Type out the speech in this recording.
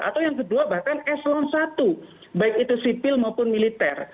atau yang kedua bahkan eselon i baik itu sipil maupun militer